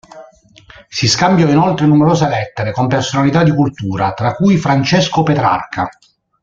Si scambiò inoltre numerose lettere con personalità di cultura, tra cui Francesco Petrarca.